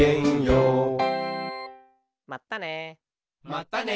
まったね。